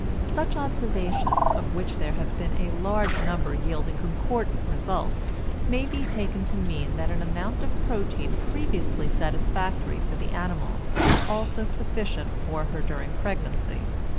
Such observations, of which there have been a large number yielding concordant results, may be safely taken to mean that an amount of protein previously satisfactory for the animal is also sufficient for her during pregnancy.